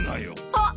あっ！